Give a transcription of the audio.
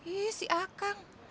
ih si akang